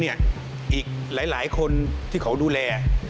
อีกหลายคนที่เขาดูแล